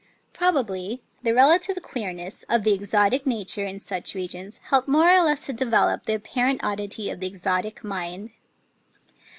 Probably the relative queemess of the exotic nature in such regions helped more or less to develop the apparent oddity of the exotic mind.